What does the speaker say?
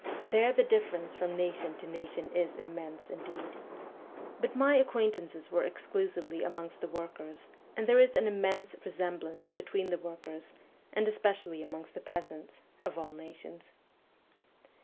There the difference from nation to nation is immense indeed. But my acquaintances were exclusively amongst the workers, and there is an immense resemblance between the workers, and especially amongst the peasants, of all nations.